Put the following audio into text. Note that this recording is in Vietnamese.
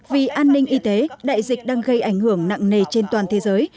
vì an ninh y tế đại dịch đang gây ảnh hưởng nặng nề trên toàn thế giới